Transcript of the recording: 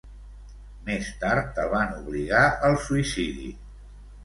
Més tard, el van obligar al suïcidi.